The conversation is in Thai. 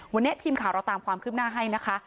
วันนี้ทีมข่าวเราตามความคืบหน้าให้นะคะ